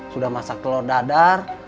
sudah masak telur dadar